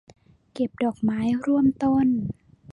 เก็บดอกไม้ร่วมต้น